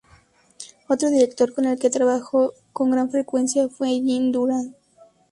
Otro director con el que trabajó con gran frecuencia fue Jean Durand.